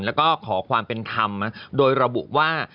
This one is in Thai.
แล้วก็ขอความเป็นธรรมโดยระบุว่า